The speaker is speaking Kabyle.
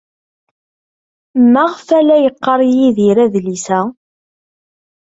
Maɣef ay la yeqqar Yidir adlis-a?